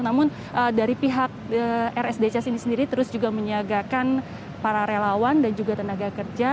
namun dari pihak rsdc sendiri terus juga menyiagakan para relawan dan juga tenaga kerja